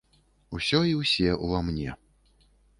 Усё і ўсе ўва мне.